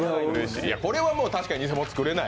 これは確かに偽物は作れない。